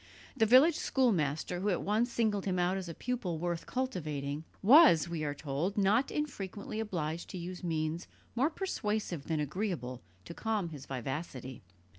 The village schoolmaster, who at once singled him out as a pupil worth cultivating, was, we are told, not infrequently obliged to use means more persuasive than agreeable to calm his vivacity.